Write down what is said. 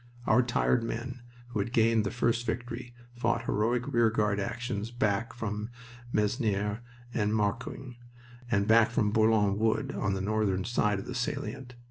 Our tired men, who had gained the first victory, fought heroic rear guard actions back from Masnieres and Marcoing, and back from Bourlon Wood on the northern side of the salient.